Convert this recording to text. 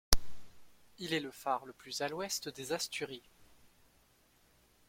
Il est le phare le plus à l'ouest des Asturies.